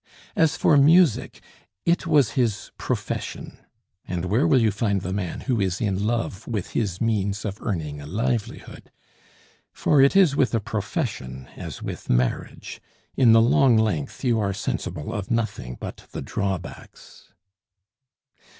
As for music, it was his profession, and where will you find the man who is in love with his means of earning a livelihood? For it is with a profession as with marriage: in the long length you are sensible of nothing but the drawbacks.